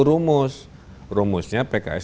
rumus rumusnya pks